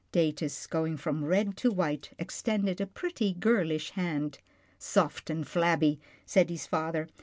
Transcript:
Datus, going from red to white, extended a pretty, girlish hand. " Soft and flabby," said his father.